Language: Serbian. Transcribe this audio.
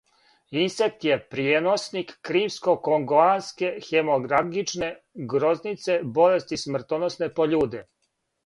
Инсект је пријеносник кримско-конгоанске хеморагичне грознице, болести смртоносне по људе.